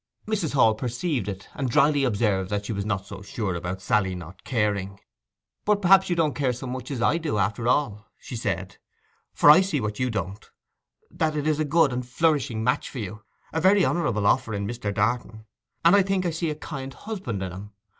Mrs. Hall perceived it, and drily observed that she was not so sure about Sally not caring. 'But perhaps you don't care so much as I do, after all,' she said. 'For I see what you don't, that it is a good and flourishing match for you; a very honourable offer in Mr. Darton. And I think I see a kind husband in him.